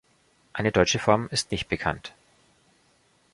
Eine deutsche Form ist nicht bekannt.